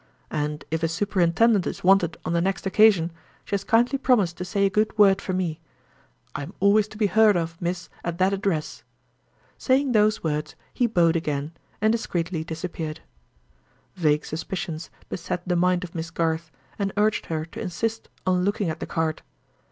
"And if a superintendent is wanted on the next occasion, she has kindly promised to say a good word for me. I am always to be heard of, miss, at that address." Saying those words, he bowed again, and discreetly disappeared. Vague suspicions beset the mind of Miss Garth, and urged her to insist on looking at the card.